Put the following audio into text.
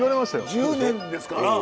１０年ですから。